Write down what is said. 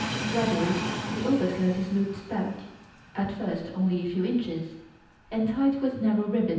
Gradually the overskirt is looped back, (at first only a few inches), and tied with narrow ribbons.